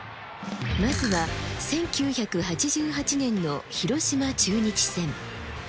まずは１９８８年の広島・中日戦。